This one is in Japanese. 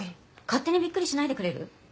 勝手にびっくりしないでくれる？